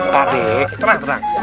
pak deh tenang tenang